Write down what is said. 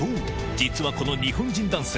実はこの日本人男性